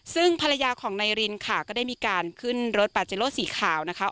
ซึ่งภรรยาของนายรินค่ะก็ได้มีการขึ้นรถปาเจโลสีขาวนะคะ